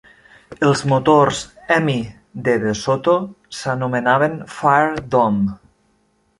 Els motors Hemi de DeSoto s'anomenaven Fire Dome.